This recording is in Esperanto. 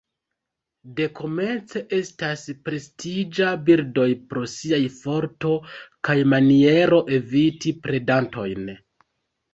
Dekomence estas prestiĝa birdoj pro siaj forto kaj maniero eviti predantojn.